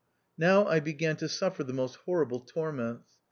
Now I began to suffer the most horrible torments.